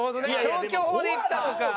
消去法でいったのか。